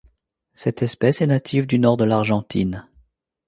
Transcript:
Cette espèce est native du nord de l'Argentine.